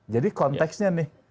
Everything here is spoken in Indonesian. jadi konteksnya nih